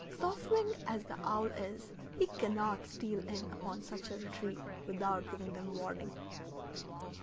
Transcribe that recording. Soft winged as the owl is, he cannot steal in upon such a retreat without giving them warning.